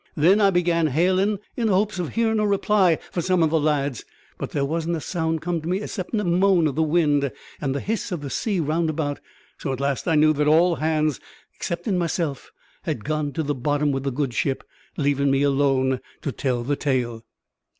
Then I began hailin', in hopes of hearin' a reply from some of the lads; but there weren't a sound come to me exceptin' the moan of the wind and the hiss of the sea round about; so at last I knew that all hands exceptin' myself had gone to the bottom with the good ship, leavin' me alone to tell the tale."